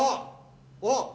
あっ！